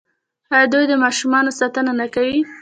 آیا دوی د ماشومانو ساتنه نه کوي؟